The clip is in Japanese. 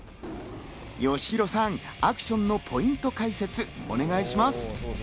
よしひろさん、アクションのポイント解説、お願いします。